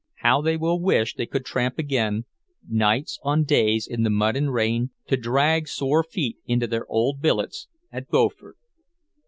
How they will wish they could tramp again, nights on days in the mud and rain, to drag sore feet into their old billets at Beaufort!